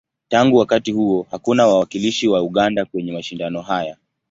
Tangu wakati huo, hakuna wawakilishi wa Uganda kwenye mashindano haya.